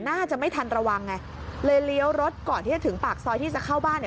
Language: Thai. น่าจะไม่ทันระวังไงเลยเลี้ยวรถก่อนที่จะถึงปากซอยที่จะเข้าบ้าน